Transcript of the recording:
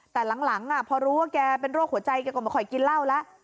แต่หลังพอรู้ว่าแกเป็นโรคหัวใจแกก็ไม่ค่อยกินเหล้าแล้ว